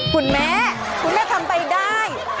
คุณแม่คุณแม่ทำไปได้